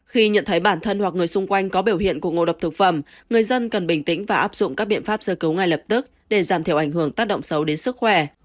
khi nhận thấy bản thân hoặc người xung quanh có biểu hiện của ngộ độc thực phẩm người dân cần bình tĩnh và áp dụng các biện pháp sơ cứu ngay lập tức để giảm thiểu ảnh hưởng tác động xấu đến sức khỏe